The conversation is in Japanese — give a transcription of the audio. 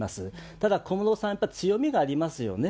ただ、小室さん、やっぱ強みがありますよね。